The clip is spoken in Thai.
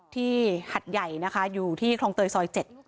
หัดใหญ่นะคะอยู่ที่คลองเตยซอย๗